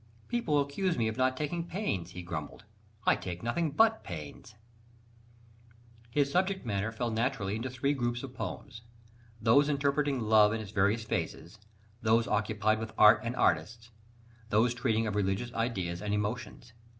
"People accuse me of not taking pains!" he grumbled, "I take nothing but pains!" His subject matter fell naturally into three groups of poems: those interpreting love in its various phases, those occupied with art and artists, those treating of religious ideas and emotions.